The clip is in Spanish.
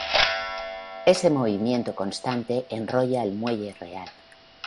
Ese movimiento constante enrolla el muelle real.